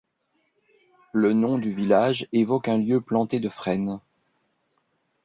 Le nom du village évoque un lieu planté de frênes.